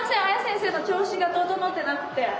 あや先生の調子が整ってなくて。